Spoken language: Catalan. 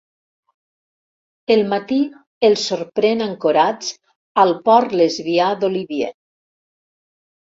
El matí els sorprèn ancorats al port lesbià d'Olivier.